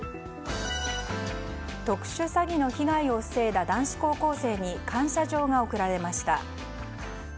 特殊詐欺の被害を防いだ男子高校生に感謝状が贈られました。